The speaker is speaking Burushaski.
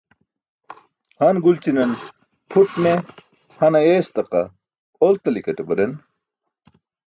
Han gulćinan pʰuṭ ne, han ayeestaqa, oltikaṭe baren.